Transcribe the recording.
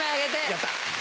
やった！